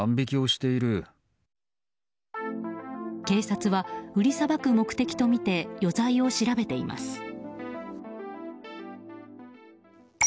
警察は売りさばく目的とみて余罪を調べてます。